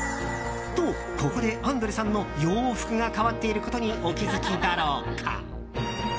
と、ここでアンドレさんの洋服が変わっていることにお気づきだろうか。